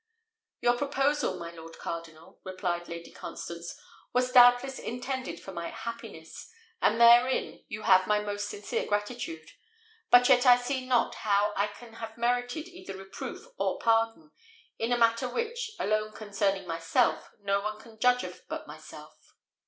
"Your proposal, my lord cardinal," replied Lady Constance, "was doubtless intended for my happiness, and therein you have my most sincere gratitude; but yet I see not how I can have merited either reproof or pardon, in a matter which, alone concerning myself, no one can judge of but myself."